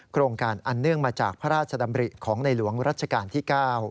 โครงการอันเนื่องมาจากพระราชดำริของในหลวงรัชกาลที่๙